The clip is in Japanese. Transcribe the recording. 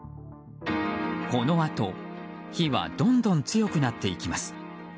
このあと、火はどんどん強くなっていきます。